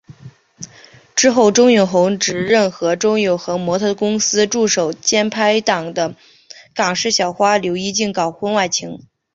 之后周永恒直认和周永恒模特儿公司助手兼拍档的港视小花刘依静搞婚外情。